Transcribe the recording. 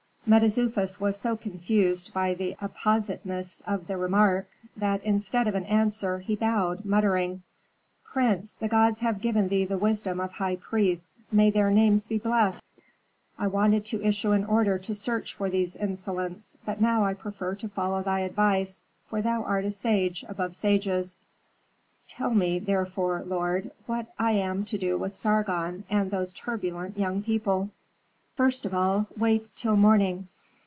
Mentezufis was so confused by the appositeness of the remark, that, instead of an answer, he bowed, muttering, "Prince, the gods have given thee the wisdom of high priests, may their names be blessed! I wanted to issue an order to search for these insolents, but now I prefer to follow thy advice, for thou art a sage above sages. Tell me, therefore, lord, what I am to do with Sargon and those turbulent young people." "First of all, wait till morning.